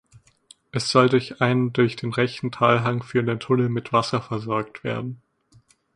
Es soll durch einen durch den rechten Talhang führenden Tunnel mit Wasser versorgt werden.